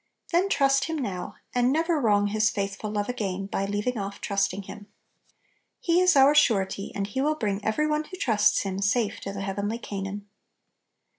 Then trust Him now, and never wrong His faithful love again by leaving off trusting Him. He is our Surety, and He will bring every one who trusts Him safe to the heavenly Canaan.